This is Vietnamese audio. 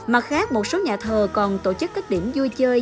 mặt khác một số nhà thờ còn tổ chức các điểm vui chơi